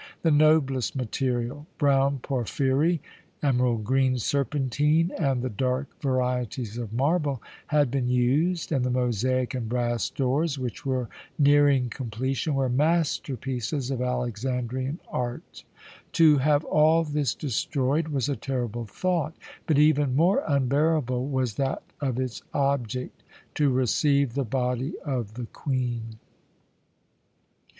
The noblest material brown porphyry, emerald green serpentine, and the dark varieties of marble had been used, and the mosaic and brass doors, which were nearing completion, were masterpieces of Alexandrian art. To have all this destroyed was a terrible thought, but even more unbearable was that of its object to receive the body of the Queen.